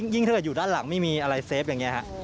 ถ้าเกิดอยู่ด้านหลังไม่มีอะไรเซฟอย่างนี้ฮะ